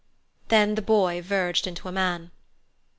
Then the boy verged into a man.